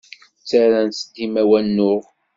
Ttarran-tt dima i wanuɣ.